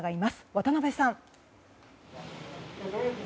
渡辺さん。